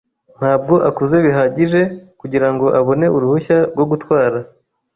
ntabwo akuze bihagije kugirango abone uruhushya rwo gutwara.